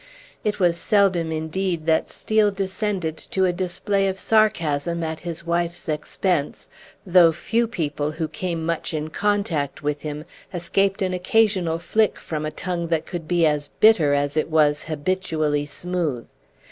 It was seldom indeed that Steel descended to a display of sarcasm at his wife's expense, though few people who came much in contact with him escaped an occasional flick from a tongue that could be as bitter as it was habitually smooth.